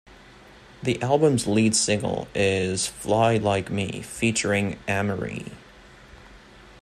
The album's lead single is "Fly Like Me", featuring Amerie.